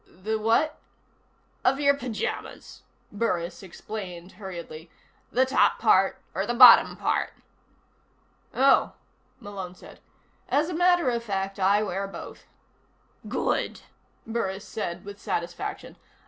"The what?" "Of your pyjamas," Burris explained hurriedly. "The top part or the bottom part?" "Oh," Malone said. "As a matter of fact, I wear both." "Good," Burris said with satisfaction.